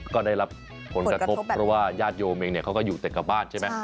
ก็ได้รับผลกระทบเพราะว่าญาติโยมเองเนี่ยเขาก็อยู่แต่กลับบ้านใช่ไหม